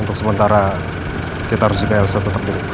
untuk sementara kita harus jika elsa tetap di rumah